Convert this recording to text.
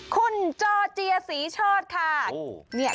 คุณจอเจียศรีชอดค่ะ